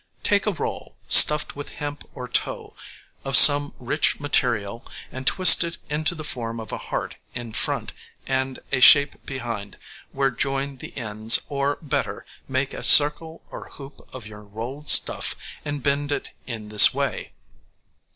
Take a roll, stuffed with hemp or tow, of some rich material and twist it into the form of a heart in front and a V shape behind, where join the ends, or, better, make a circle or hoop of your rolled stuff and bend it in this way.